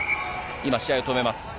今、試合を止めます。